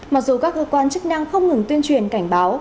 mặc dù các cơ quan chức năng không ngừng tuyên truyền cảnh báo